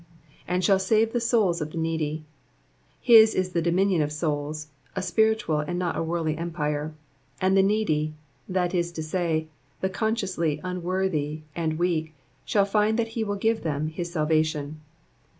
'* 4/uZ shill save the soius of tfie needy.'''' His is the dominion of souls, a spiritual and not a worldly empire ; and the needy, that is to say, tho consciously unworthy and weak, shall find that he will give them his salvation.